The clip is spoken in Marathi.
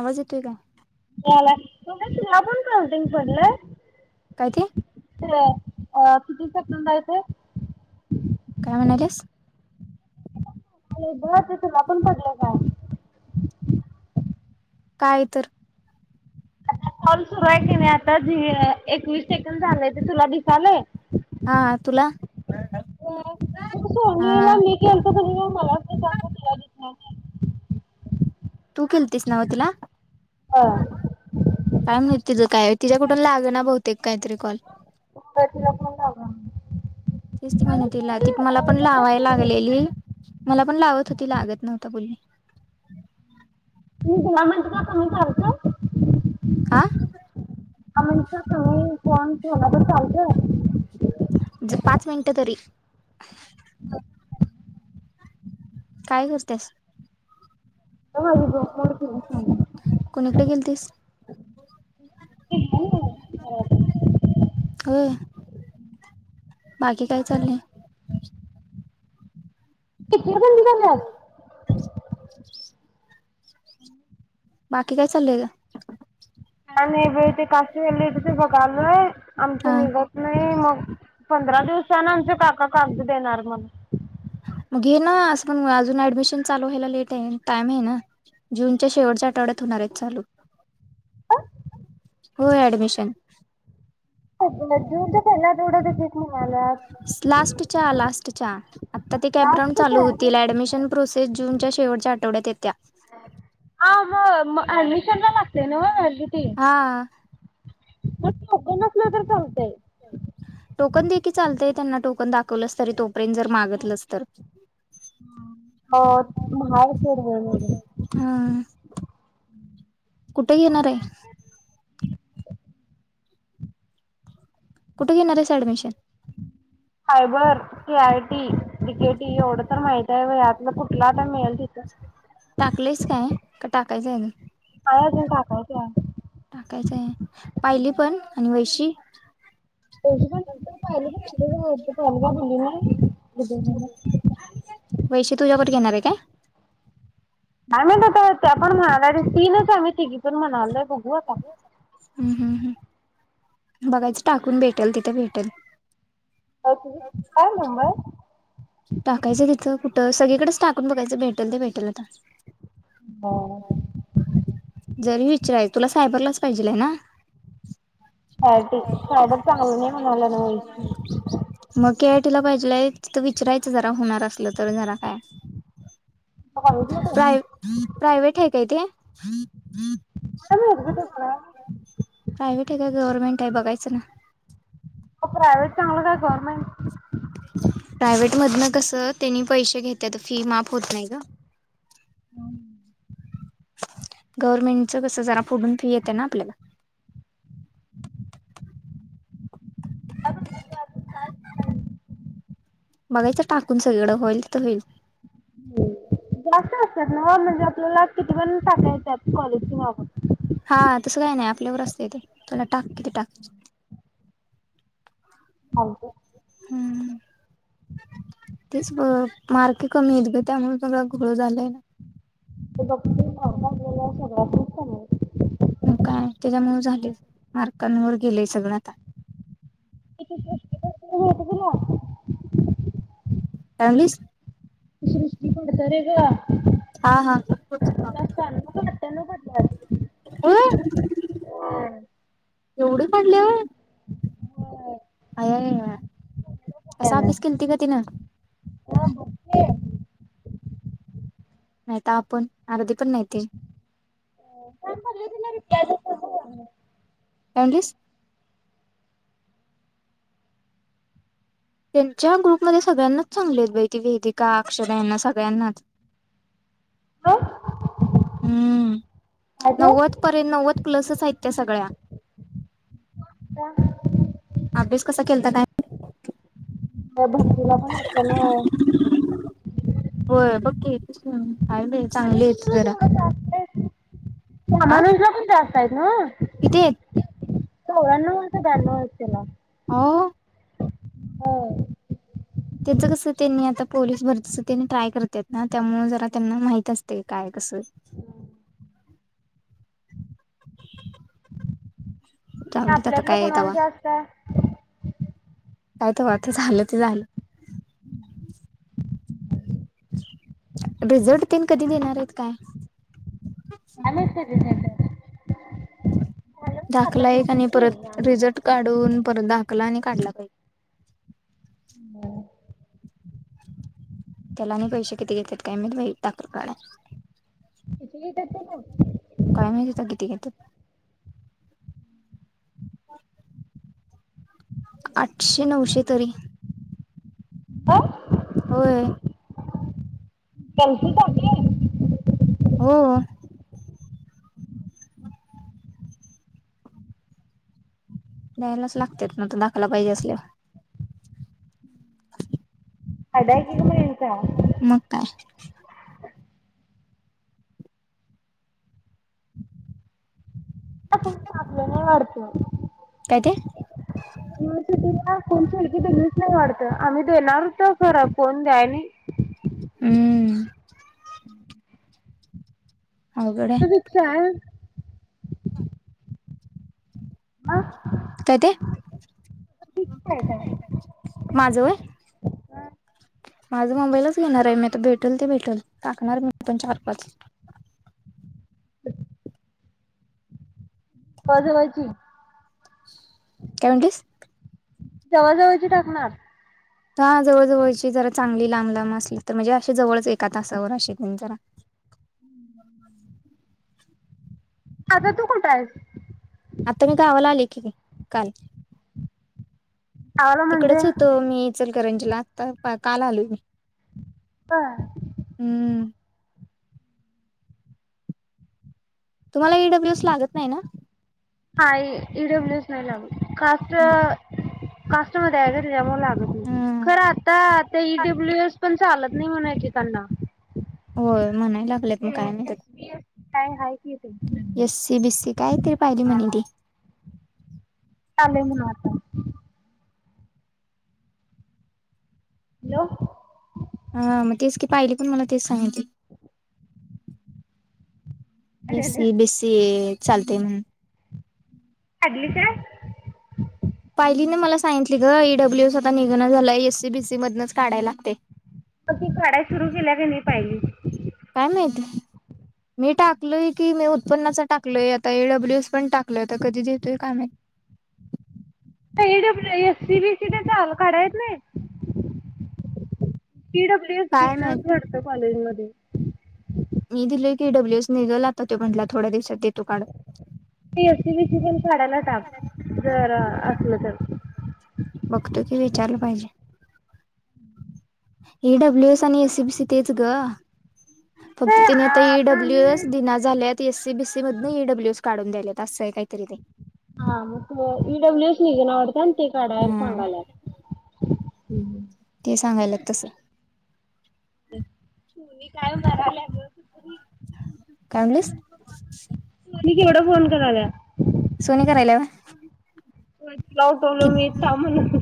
आवाज येतोय का? ये तुला पन काउंटिंग पडलय काय ते? अ किती सेकंद आहे ते काय म्हणालीस [inaudible] तुला पण पडलंय काय काय तर आता कॉल सुरू आहे की नाही आता ज एकवीस सेकंड झालेय ते तुला दिसालय हा तुला [inaudible] सोनी ला हा मी केलतं का नई? [inaudible] [unintelligible] तू केलतीस नव तिला? काय माहीत तिचं काय तिच्या कुठून लाग ना बहुतेक काहीतरी कॉल तर तिला फोन लावला तेच ती आणि [unintelligible] ती पुढे मला अ, पण म्हणजे लावाय लागलेली मला पण लावत होती लागत नव्हता बोली [unintelligible] [unintelligible] हा फोन ठेवला तर चालतंय पाच मिनिटं तरी काय करतेस? कोणीकडे गेलतीस [unintelligible] [unintelligible] [unintelligible] हो, बाकी काय चाललंय? कितीला बंद झाल्यात? बाकी काय चाललंय ग? काही नाही [unintelligible] ते लय [unintelligible] काल नाही आमच हा निघत नाही मग पंधरा दिवसान आमच काका कागदं देणार म्हणं मग घे ना, असं पण अजून ऍडमिशन चालू व्हायला लेट आहे, टाइम आहे ना, जूनच्या शेवटच्या आठवड्यात होणार आहेत चालू. होय ऍडमिशन [unintelligible] जूनच्या पहिल्या आठवड्यात [unintelligible] म्हणाल्यात. लास्ट च्या, लास्ट च्या, आता ते कॅपराऊंड लास्टच चालू आहे. होतील ऍडमिशन प्रोसस जूनच्या शेवटच्या आठवड्यात येत्या हां हां मग ऍडमिशन ला लागतय नव हां मग [unintelligible] नसलं तर चालतंय टोकन दे की चालतय त्यांना टोकन दाखवलस, तरी तोपर्यंत जर मागितलंच तर, हो [unintelligible] बोललेली कुठं घेणार आहेस? कुठं घेणार आहेस ऍडमिशन? फायबर [unintelligible] आय टी, ति केटी एवढं तर माहित आहे व्हय, यातलं कुठला आता मिळेल तिथ. टाकलेस काय झालं? नाय अजून टाकायच. टाकायचंय पाहिली पण आणि वैशी वैशीच पाहिल अजून काय म्हटले वैशी तुझ्यावर नाही घेणार आहे काय ती नाही म्हण का आपण म्हला तीन समिती की चल म्हणालंय बघू आता. बघायच टाकून भेटेल तिथे भेटेल. अ काय नंबर टाकायचं तिथं कुठ तर सगळीकडेच टाकून बघायचं भेटेल ते भेटेल आता. जरी विचाराय तुला सायबरला च् पाहिजेल हेना? सायटी सायबर चांगलं नाही म्हणाला ना वैशी मग के आयटीला पाहिजे. तिथं वी विचरायच जरा होणार असलं तर जरा काय. कॉलेजला काय प्राय प्रायवेट आहे काय ते? [inaudible] मरबट कोड [unintelligible] प्रायव्हेट आहे का गवर्नमेंट आहे बघायचं ना. प्रायव्हेट चांगलं काय गव्हर्नमेंट? प्रायवेट मधन कसं त्यांनी पैसे घेतले तर फी माफ होत नाही ग. हम् गव्हर्नमेंटच कसं जरा फोडून फी येते ना आपल्या कड. [unintelligible] बघायचं टाकून सगळीकड होईल तर होईल. जास्त असतात ना म्हणजे आपल्याला किती पण टाकायच कॉलेज मागून हा तसं काही नाही आपल्यावर असतें ते तुला टाक किती टाक. ह का [unintelligible] हम् तेच मार्क कमी आहेत ग त्यामुळे सगळा घोळ झालाय ना. ल ग सगळ [unintelligible] मग काय त्याच्या मूळ झाले मार्कांवर गेले सगळ आता. [unintelligible] पस [unintelligible] ती सृष्टी फडतरे ग. हा हा तिला शहाण्णव का अठ्ठ्याण्णव पडल्यात अ एवढ पडले व्हय? हम आय आय आय असा त्यावेळेस अभ्यास केलता का तिनं. हा बघ की. नाहीत आपण आरदी पण नाही ते. [unintelligible] काय म्हणलीस त्यांच्या ग्रुपमध्ये सगळ्यांनाच चांगलेत बै ती वेदिका, अक्षदा त्याना सगळ्यांनाच व हम्म नव्वद पर्यंत, नव्वद प्लसच आहेत त्या सगळ्या अभ्यास कसा केलता काय माहित? म बला म्हत ना आहे [unintelligible] होय बघ की, आहे बाई आणि चांगलेच कुणाला जरा, तेवढं जास्त आहे. आ रामानुजला पण जास्त ना [unintelligible] चावऱ्यांनव की बॉनव्ह आहेत तिला आ हो त्याचं कस त्यांनी आता पोलीस भरतीच त्यांनी ट्राय करत्यात ना त्यामुळे जरा त्यांना माहित असते काय, कसं हम्म आणि जाऊन देत आता आपल्यातनं काय कुणाला तवा जास्तये काय तवाचं झालं ते झालं रिझल्ट तेन कधी देणार आहेत काय माहित किती काय देतात. झालं आता दाखला एक देतील आणि की परत आम्हाला रिझल्ट काढून परत दाखला आणि काढला. [unintelligible] [unintelligible] त्याला आणि पैसे किती घेतात काय माहित बाई टाक काढाय किती घेतात गं मग सा किती घेत्यात [unintelligible] आठशे -नऊशे तरी अ होय पैसे टाकल्यात हो द्यायलाच लागत्यात मग तूला दाखला पाहिजे असल्यावर फायदा हाय कि गं मग यांचा मग काय आपल्या वाढत होय केय कोण खिडकी दिलीच नाही वाढत, आम्ही देणार होत खर कोन द्या आणि हम्म अवघड आहे तिथ रिक्षा आहे अं काय ते [inaudible] काय माझं व्हयं माझं मुंबईलाच घेणार आहे मी आता भेटल ते भेटल टाकणार मी पण चार- पाच पदव्याची काय म्हटंलीस जवळ जवळची टाकणार. हा जवळ जवळची जरा चांगली लांब लांब असली तर म्हणजे अशी जवळच एका तासावर अशी तेन जरा आता तू कुठं आयस. आता मी गावाला आले की काल आवाला म्हणजे तिकडच हुतो मी इचकरंजीला आता पा काल आलोय मी हम्म‌् तुमाला ई डब्ल्यू एस लागत नाही ना? नाई ई डब्ल्यू एस नई लागत कास्ट कास्टमध्ये आय गं तिज्यामुळ लाग हम्म खरं आता आता ई डब्ल्यू एस पण चालत नई म्हणूया की त्यांना होय म्हणाय लागल्यात म काय म्हणत्यात. बी एस काय हाय? की ते एस सी बिस्सी काय तरी पाहिजे हा म्हणी ते [unintelligible] मग आता हॅलो हा म तेच की पायलि पण मला तेच सांगितली. एस सी बीस्सि चालतय म्हणून आडली काय पायलीन मला सांगितली गं ई डब्ल्यू स आता निघणा झालय एस सी बीस्सि मधनच काढाय लागतय. म ती काडाय सुरू केल्या क नई पायली? काय माहित मी टाकलोय की मी उत्पन्नाचा टाकलोय, आता ई डब्ल्यू एस पण टाकलोय, आता कधी देतोय काय महीत ता E W S S C B C [unintelligible] काढाय येत नई. ई डब्ल्यू एस काय माहित घेणात वाडत कॉलेज म [unintelligible] मी दिलय. टी डब्ल्यू एस निगल आ तर तो म्हणला थोड्या दिवसात देतो काड ते एस सी बी सी पण काढायला टाक जर असलं बगतो की विचारल पाहिजे. ई डब्ल्यू एस आणि एस सी बीस्सि तेच गं. फक्त तर तेनि आता ई डब्ल्यू आम्ही एस दिना झाल्यात. ती एस सी बीस्सि मधन ई डब्ल्यू एस काडून द्यायल्यात असं आय कायतरी ते हा म ते ई डब्ल्यू एस निघना वाडत आणि ते काढायल हम्म सांगाल्यात. हू हू सांगायल्यात तस [unintelligible] सोनी काय हुणाराय [unintelligible] आणलीस? ती केवढं फोन कराल्या सोनी करायलाय व्हय [unintelligible] म्हण